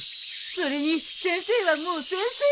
それに先生はもう先生だよ！